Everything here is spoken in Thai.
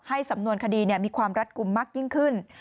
สำนวนคดีมีความรัดกลุ่มมากยิ่งขึ้น